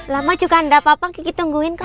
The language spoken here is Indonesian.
lama juga enggak papa kiki tungguin kok